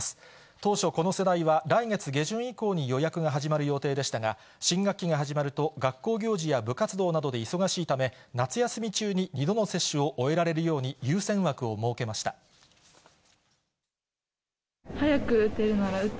当初、この世代は来月下旬以降に予約が始まる予定でしたが、新学期が始まると学校行事や部活動などで忙しいため、夏休み中に２度の接種を終えられるように、優先枠を設けました。